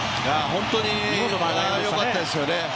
本当に良かったですよね